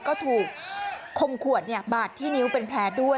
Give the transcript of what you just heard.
ก็ถูกคมขวดบาดที่นิ้วเป็นแผลด้วย